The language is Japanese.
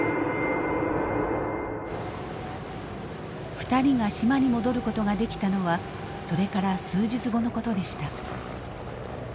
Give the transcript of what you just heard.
２人が島に戻ることができたのはそれから数日後のことでした。